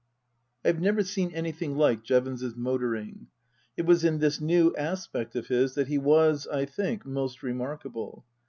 I have never seen anything like Jevons's motoring. It was in this new aspect of his that he was, I think, most remarkable.